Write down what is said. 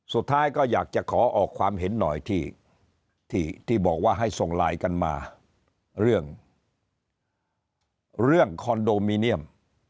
สุดท้ายก็อยากจะขอออกความเห็นหน่อยที่บอกว่าให้ส่งไลน์กันมาเรื่องเรื่องคอนโดมิเนียม